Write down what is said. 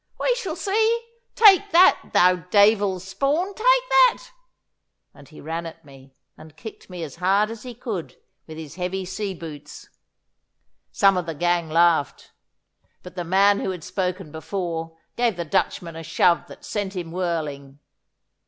'We shall see. Take that, thou deyvil's spawn, take that!' He ran at me, and kicked me as hard as he could with his heavy sea boots. Some of the gang laughed, but the man who had spoken before gave the Dutchman a shove that sent him whirling.